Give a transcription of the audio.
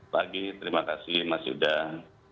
pagi terima kasih mas yudha